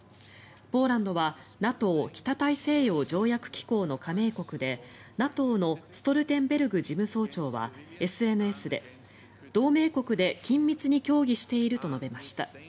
ポーランドはＮＡＴＯ・北大西洋条約機構の加盟国でＮＡＴＯのストルテンベルグ事務総長はＳＮＳで同盟国で緊密に協議していると述べました。